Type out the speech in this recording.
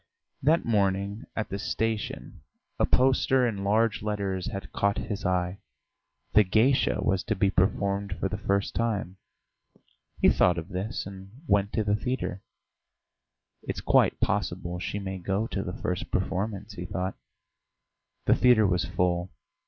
That morning at the station a poster in large letters had caught his eye. "The Geisha" was to be performed for the first time. He thought of this and went to the theatre. "It's quite possible she may go to the first performance," he thought. The theatre was full.